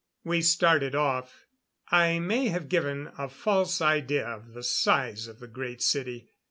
We started off. I may have given a false idea of the size of the Great City.